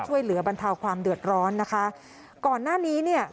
บรรเทาความเดือดร้อนนะคะก่อนหน้านี้เนี่ย